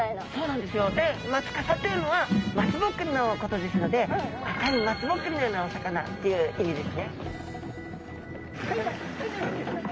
でマツカサというのは松ぼっくりのことですので赤い松ぼっくりのようなお魚っていう意味ですね。